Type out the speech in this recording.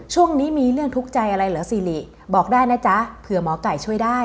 ฉันคือสิริมงคล